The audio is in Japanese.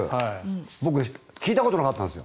僕、聞いたことなかったんです。